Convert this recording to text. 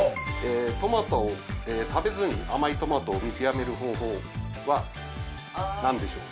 トマトを食べずに甘いトマトを見極める方法は何でしょう？